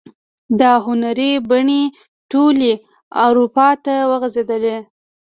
دا هنري بڼې ټولې اروپا ته وغزیدلې.